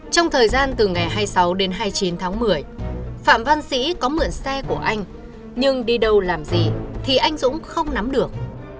trong thời gian từ ngày hai mươi sáu đến hai mươi chín tháng một mươi phạm văn sĩ có mượn xe của anh nhưng đi đâu làm gì thì anh dũng không nắm được